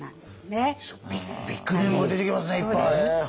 すごいビッグネームが出てきますねいっぱい。